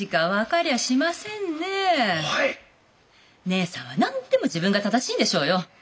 姉さんは何でも自分が正しいんでしょうよ。